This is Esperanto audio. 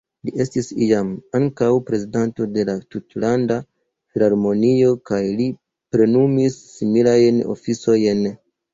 Li estis iam ankaŭ prezidanto de la Tutlanda Filharmonio kaj li plenumis similajn oficojn.